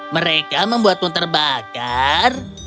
mereka membuatmu terbakar